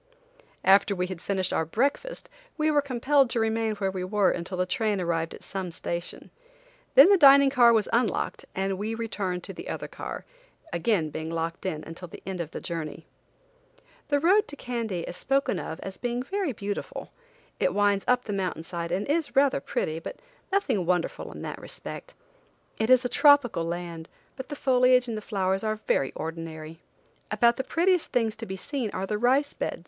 After we had finished our breakfast we were compelled to remain where we were until the train arrived at some station. Then the dining car was unlocked and we returned to the other car, being again locked in until the end of our journey. The road to Kandy is spoken of as being very beautiful. It winds up the mountain side and is rather pretty, but nothing wonderful in that respect. It is a tropical land, but the foliage and flowers are very ordinary. About the prettiest things to be seen are the rice beds.